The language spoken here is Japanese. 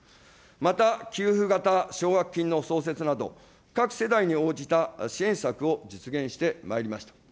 また給付型奨学金の創設など、各世代に応じた支援策を実現してまいりました。